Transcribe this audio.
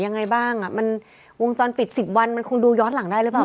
ยังไงบ้างอ่ะมันวงจรปิด๑๐วันมันคงดูย้อนหลังได้หรือเปล่า